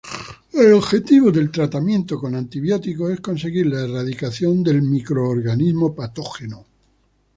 El objetivo del tratamiento con antibióticos es conseguir la erradicación del microorganismo patógeno.